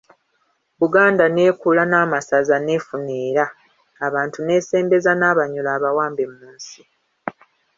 "Buganda n’ekula n’amasaza n'efuna era, abantu n’esembeza n’Abanyoro abawambe mu nsi."